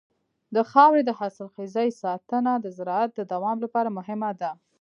د خاورې د حاصلخېزۍ ساتنه د زراعت د دوام لپاره مهمه ده.